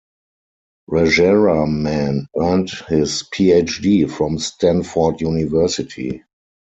Rajaraman earned his Ph.D. from Stanford University.